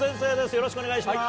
よろしくお願いします。